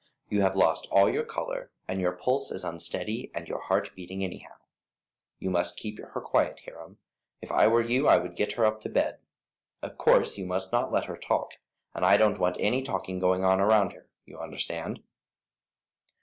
You have lost all your colour, and your pulse is unsteady and your heart beating anyhow. You must keep her quite quiet, Hiram. If I were you I would get her up to bed. Of course you must not let her talk, and I don't want any talking going on around her, you understand?"